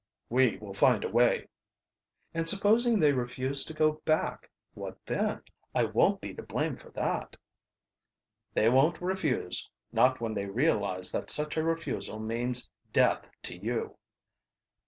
"We will find a way." "And supposing they refuse to go back, what then? I won't be to blame for that." "They won't refuse not when they realize that such a refusal means death to you."